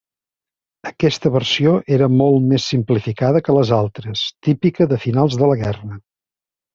Aquesta versió era molt més simplificada que les altres, típica de finals de la guerra.